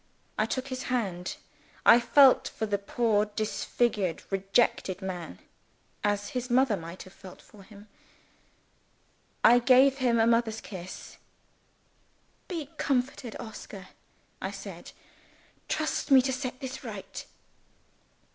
I took his hand I felt for the poor disfigured, rejected man as his mother might have felt for him I gave him a mother's kiss. "Be comforted, Oscar," I said. "Trust me to set this right."